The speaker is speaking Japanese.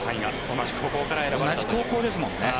同じ高校ですもんね。